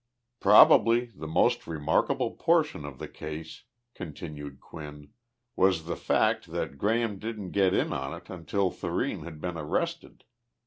Probably the most remarkable portion of the case [continued Quinn] was the fact that Graham didn't get in on it until Thurene had been arrested.